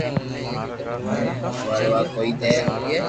موئي وڙوا ڪوئي دي